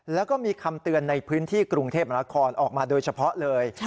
แล้วก็มีคำเตือนในพื้นที่กรุงเทพมนาคอนออกมาโดยเฉพาะเลย